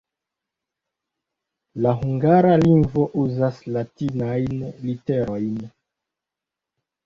La hungara lingvo uzas latinajn literojn.